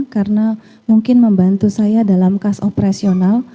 karena mungkin membantu saya dalam kas operasional